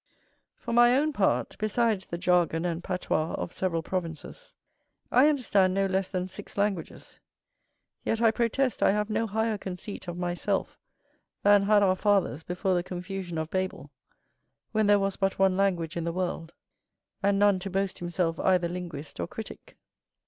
For my own part, besides the jargon and patois of several provinces, I understand no less than six languages; yet I protest I have no higher conceit of myself than had our fathers before the confusion of Babel, when there was but one language in the world, and none to boast himself either linguist or critick.